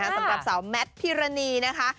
สำหรับสาวแมทพิรณีนะคะ